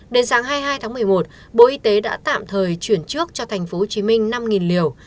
đến sáng hai mươi hai tháng một mươi một bộ y tế đã tạm thời chuyển trước cho tp hcm năm liều